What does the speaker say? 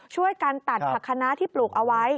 ช่วยกันตัดผักคณะที่ปลูกเอาไว้